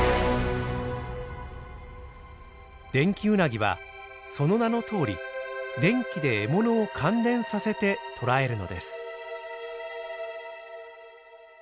デンキウナギはその名のとおり電気で獲物を感電させて捕らえるのです。